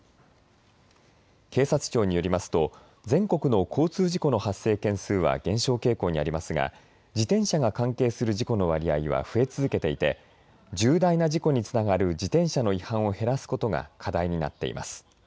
警察庁によりますと全国の交通事故の発生件数は減少傾向にありますが自転車が関係する事故の割合は増え続けていて重大な事故につながる自転車の違反を減らすことが課題になっています。